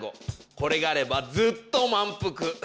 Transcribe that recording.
これがあればずっと満腹！